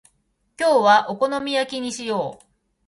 今日はお好み焼きにしよう。